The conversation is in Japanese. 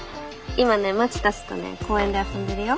今ねまちたちとね公園で遊んでるよ。